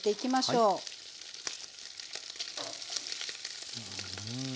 うん。